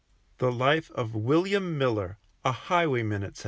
The Life of WILLIAM MILLER, a Highwayman, etc.